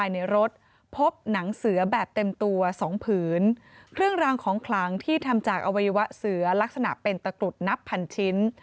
ในรถพบหนังเสือแบบเต็มตัวสองผืนเครื่องรางของขลังที่ทำจากอวัยวะเสือลักษณะเป็นตะกรุดนับพันชิ้น